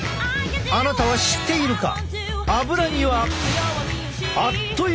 あなたは知っているか？